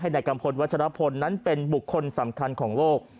นายกัมพลวัชรพลนั้นเป็นบุคคลสำคัญของโลก